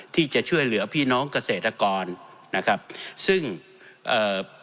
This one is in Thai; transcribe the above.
ที่จะช่วยเหลือพี่น้องเกษตรกรนะครับซึ่งเอ่อ